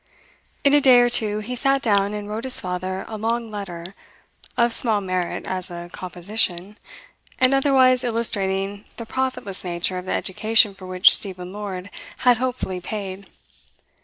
In a day or two he sat down and wrote his father a long letter, of small merit as a composition, and otherwise illustrating the profitless nature of the education for which Stephen Lord had hopefully paid.